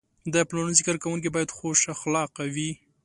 د پلورنځي کارکوونکي باید خوش اخلاقه وي.